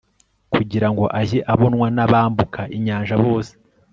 kugira ngo ajye abonwa n'abambuka inyanja bose